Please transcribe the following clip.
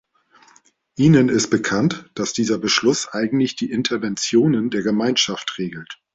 Ihnen ist bekannt, dass dieser Beschluss eigentlich die Interventionen der Gemeinschaft regelt.